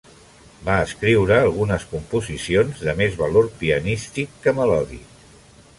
Va escriure algunes composicions, de més valor pianístic que melòdic.